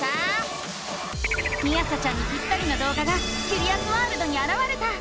みあさちゃんにぴったりの動画がキュリアスワールドにあらわれた！